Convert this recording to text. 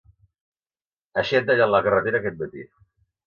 Així han tallat la carretera aquest matí.